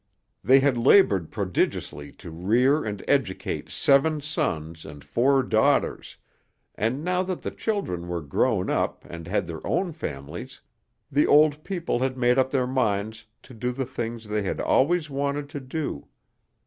They had labored prodigiously to rear and educate seven sons and four daughters and, now that the children were grown up and had their own families, the old people had made up their minds to do the things they had always wanted to do.